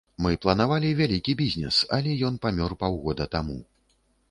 Мы планавалі вялікі бізнес, але ён памёр паўгода таму.